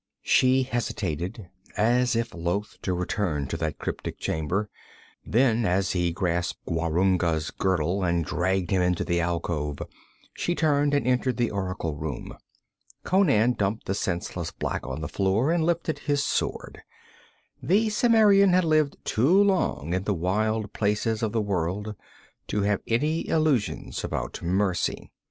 She hesitated, as if loth to return to that cryptic chamber; then, as he grasped Gwarunga's girdle and dragged him into the alcove, she turned and entered the oracle room. Conan dumped the senseless black on the floor, and lifted his sword. The Cimmerian had lived too long in the wild places of the world to have any illusions about mercy.